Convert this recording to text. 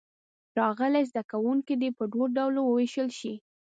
راغلي زده کوونکي دې په دوو ډلو ووېشل شي.